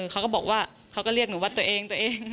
เขาก็บอกว่าเขาก็เรียกหนูว่าตัวเองตัวเอง